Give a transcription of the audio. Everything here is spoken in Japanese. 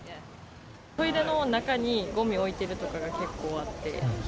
トイレの中に、ごみを置いてるとかが結構あって。